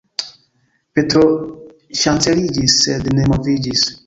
Petro ŝanceliĝis, sed ne moviĝis.